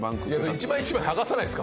「一枚一枚剥がさないですか？